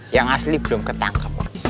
yang asli belum ketangkep